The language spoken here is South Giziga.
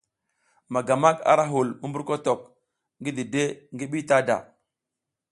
Magamak ara hul mumburkotok ngi dide ngi bitada.